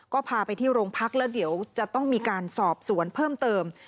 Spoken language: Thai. ก็พาไปที่โรงพักแล้วเดี๋ยวจะต้องมีการสอบสวนเพิ่มเติม